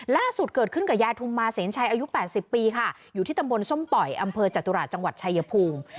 ล่าสุดเกิดขึ้นกับยายทุมมาเสนชัยอายุ๘๐ปีค่ะอยู่ที่ตำบลส้มป่อยอำเภอจตุราชจังหวัดชายภูมิ